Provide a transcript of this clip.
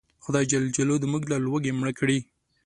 خدای ج دې موږ له لوږې مړه کړي